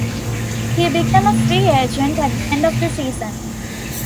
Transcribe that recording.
He became a free agent at the end of the season.